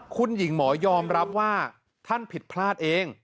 คุณหญิงหมอยอมรับว่าท่านผิดพลาดเอง